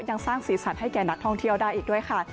ยังสร้างสีสันให้แก่นักท่องเที่ยวได้อีกด้วยค่ะ